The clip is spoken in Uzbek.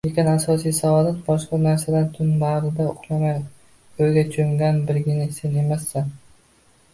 Lekin asosiy saodat boshqa narsada tun bagʻrida uxlamay oʻyga choʻmgan birgina sen emassan